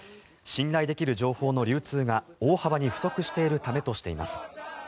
信頼できる情報の流通が大幅に不足しているためとしています。